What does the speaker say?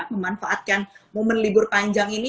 memanfaatkan momen libur panjang ini